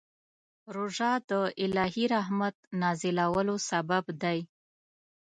روژه د الهي رحمت نازلولو سبب دی.